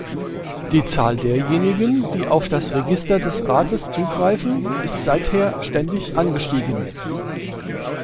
Die Zahl derjenigen, die auf das Register des Rates zugreifen, ist seither ständig angestiegen.